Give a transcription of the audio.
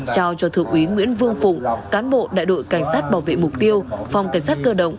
trao cho thượng úy nguyễn vương phụng cán bộ đại đội cảnh sát bảo vệ mục tiêu phòng cảnh sát cơ động